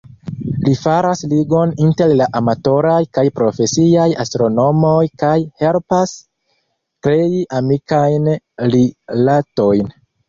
Li faras ligon inter la amatoraj kaj profesiaj astronomoj kaj helpas krei amikajn rilatojn.